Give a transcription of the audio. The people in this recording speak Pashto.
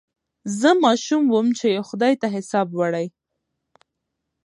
زه ماشوم وم چي یې خدای ته حساب وړی